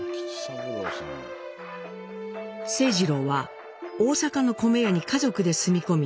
清二郎は大阪の米屋に家族で住み込み